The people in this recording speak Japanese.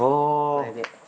これで。